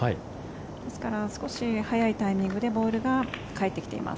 ですから少し早いタイミングでボールが返ってきています